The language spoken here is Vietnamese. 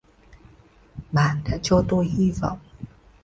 bạn đã cho tôi hi vọng